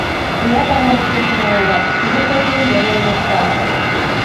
— Тыят ала-мо пеш оҥай улат: кӱлеш-оккӱлым веле ойлыштат...